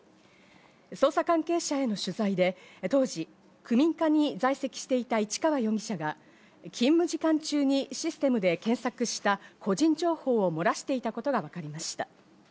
捜査関係者への取材で、当時、区民課に在籍していた市川容疑者が、勤務時間中にシステムで検索した個人情報を漏らしていたことがわかりました。